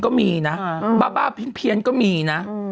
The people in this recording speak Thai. ก็มีนะบ้าเพียนมีนะ